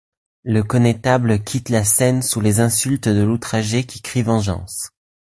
Le connétable quitte la scène sous les insultes de l'outragé qui crie vengeance.